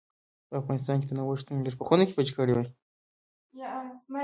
په افغانستان کې تنوع شتون لري.